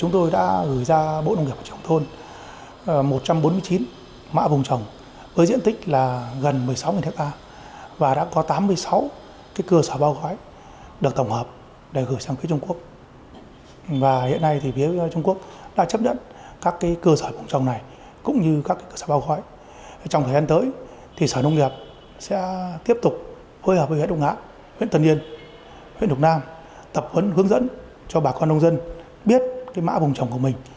trong thời gian tới sở nông nghiệp sẽ tiếp tục hối hợp với huyện đồng hã huyện tân yên huyện đồng nam tập huấn hướng dẫn cho bà con nông dân biết mã vùng trồng của mình